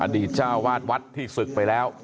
อดีตชาวบ้านวัดที่ศึกไปแล้ว